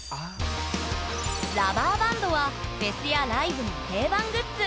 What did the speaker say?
ラバーバンドはフェスやライブの定番グッズ。